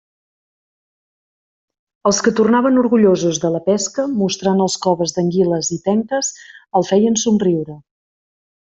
Els que tornaven orgullosos de la pesca, mostrant els coves d'anguiles i tenques, el feien somriure.